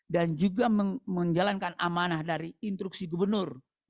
dan juga menjalankan amanah dari instruksi gubernur no satu dua ribu dua puluh